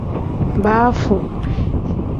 Baafu.